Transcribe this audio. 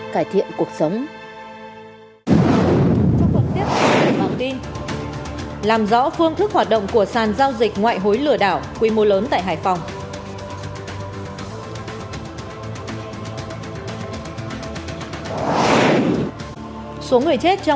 cải thiện cuộc sống